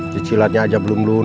cicilatnya aja belum lunas